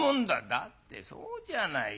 「だってそうじゃないか。